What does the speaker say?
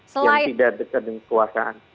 yang tidak dekat dengan kekuasaan